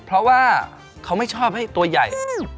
เพราะว่าเขาไม่ชอบให้ตัวใหญ่